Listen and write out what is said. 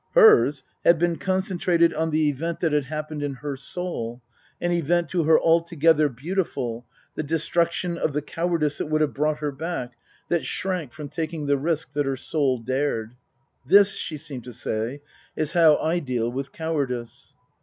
Hers had been concentrated on the event that had happened in her soul, an event to her altogether beautiful the destruc tion of the cowardice that would have brought her back, that shrank from taking the risk that her soul dared. This, she seemed to say, is how I deal with cowardice.